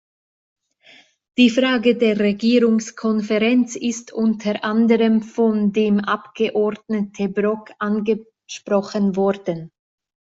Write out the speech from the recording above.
Die Frage der Regierungskonferenz ist unter anderem von dem Abgeordnete Brock angesprochen worden.